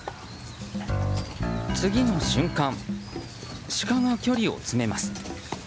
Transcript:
次の瞬間、シカが距離を詰めます。